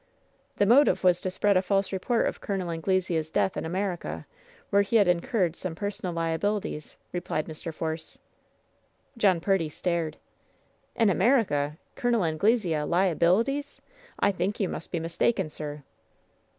"The motive was to spread a false renort of Col. An 218 LOVE'S BITTEREST CUP glesea^s death in America, where he had incurred some personal liabilities," replied Mr. Force. John Purdy stared. "In America — Col. Anglesea — liabilities? I think you must be mistaken, sir."